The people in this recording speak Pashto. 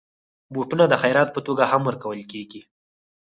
بوټونه د خيرات په توګه هم ورکول کېږي.